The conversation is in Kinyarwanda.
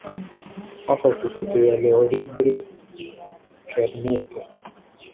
Hafashwe ifoto ya Les Horribles Cernettes